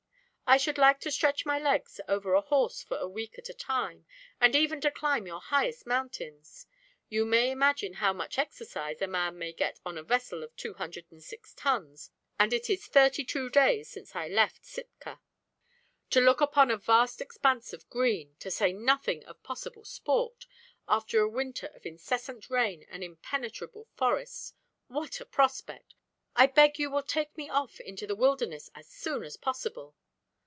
"I should like to stretch my legs over a horse for a week at a time, and even to climb your highest mountains. You may imagine how much exercise a man may get on a vessel of two hundred and six tons, and it is thirty two days since I left Sitka. To look upon a vast expanse of green to say nothing of possible sport after a winter of incessant rain and impenetrable forests what a prospect! I beg you will take me off into the wilderness as soon as possible."